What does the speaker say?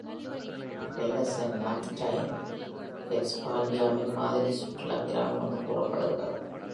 பெல்லெர்சன் "North ரைன்-வெஸ்ட்பாலியாவின் மாதிரி சுற்றுலா கிராமம்" என்று கூறப்படுகிறது.